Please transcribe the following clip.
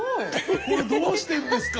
これどうしてんですか？